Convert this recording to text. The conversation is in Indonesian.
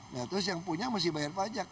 nah terus yang punya mesti bayar pajak